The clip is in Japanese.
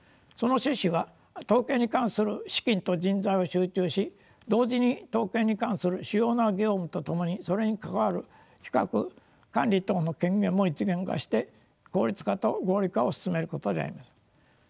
その趣旨は統計に関する資金と人材を集中し同時に統計に関する主要な業務と共にそれに関わる企画管理等の権限も一元化して効率化と合理化を進めることであります。